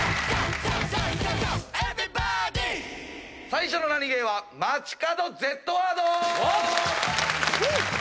最初のナニゲーはまちかどＺワード！